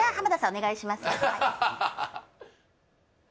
お願いします